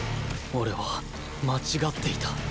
俺は間違っていた